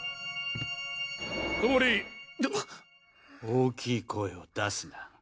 大きい声を出すな。